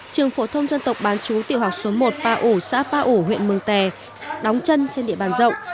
trường phổ thông dân tộc bán chú tiểu học số một ba ủ xã ba ủ huyện mương tè đóng chân trên địa bàn rộng